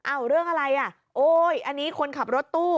เรื่องอะไรอ่ะโอ้ยอันนี้คนขับรถตู้